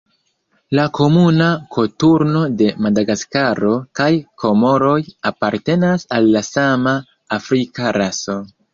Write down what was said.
La Komuna koturno de Madagaskaro kaj Komoroj apartenas al la sama afrika raso.